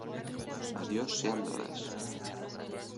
¡ a Dios sean dadas!